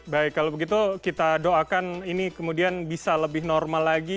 baik kalau begitu kita doakan ini kemudian bisa lebih normal lagi